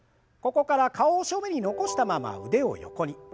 ここから顔を正面に残したまま腕を横に。